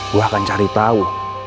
gua akan cari tau